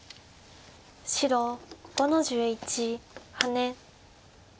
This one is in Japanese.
白５の十一ハネ。